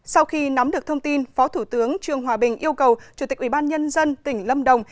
sau khi nắm được thông tin phó thủ tướng trương hòa bình yêu cầu chủ tịch ubnd tỉnh lâm đồng